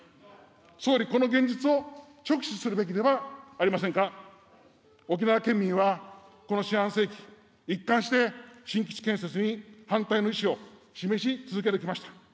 総理、この現実を直視するべきではありませんか。沖縄県民は、この四半世紀、一貫して新基地建設に反対の意思を示し続けてきました。